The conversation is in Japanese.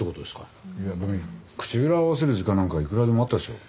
いや口裏を合わせる時間なんかいくらでもあったでしょ。